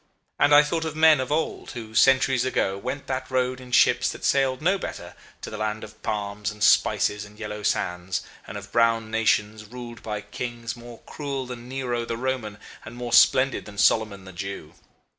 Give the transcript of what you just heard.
And I thought of men of old who, centuries ago, went that road in ships that sailed no better, to the land of palms, and spices, and yellow sands, and of brown nations ruled by kings more cruel than Nero the Roman and more splendid than Solomon the Jew.